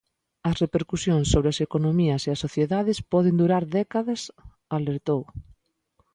As repercusións sobre as economías e as sociedades poden durar décadas, alertou.